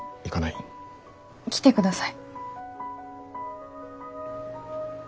助けてください。